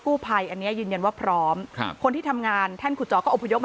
กู้ไพอันนี้ยืนยันว่าพร้อมคนที่ทำงานแท่นขุดจอก็อบพยก